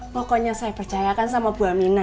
pokoknya saya percayakan sama bu amina